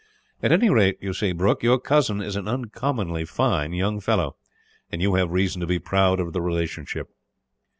At any rate you see, Brooke, your cousin is an uncommonly fine young fellow, and you have reason to be proud of the relationship."